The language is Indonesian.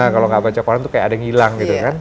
kalau nggak baca koran tuh kayak ada yang hilang gitu kan